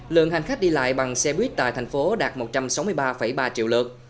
lượng hành khách đi lại bằng xe buýt tại thành phố đạt một trăm sáu mươi ba ba triệu lượt